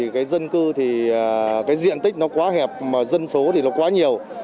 cái dân cư thì cái diện tích nó quá hẹp mà dân số thì nó quá nhiều